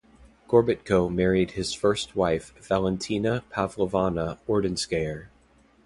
Gorbatko married his first wife Valentina Pavlovana Ordynskayar.